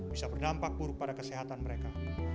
bisa berdampak buruk pada kesehatan mereka